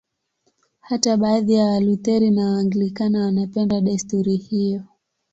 Hata baadhi ya Walutheri na Waanglikana wanapenda desturi hiyo.